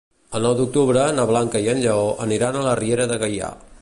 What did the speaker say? El nou d'octubre na Blanca i en Lleó aniran a la Riera de Gaià.